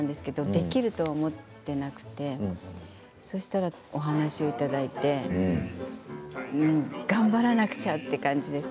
できると思っていなくてそうしたらお話をいただいて頑張らなくちゃという感じです。